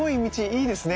いいですね。